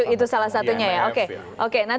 itu salah satunya ya oke oke